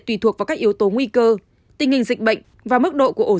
tùy thuộc vào các yếu tố nguy cơ tình hình dịch bệnh và mức độ của ổ